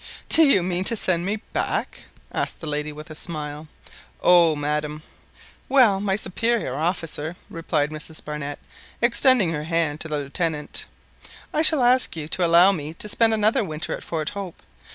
"Do you mean to send me back?" asked the lady with a smile. "O madam !"— "Well, my superior officer," replied Mrs Barnett, extending her hand to the Lieutenant, "I shall ask you to allow me to spend another winter at Fort Hope.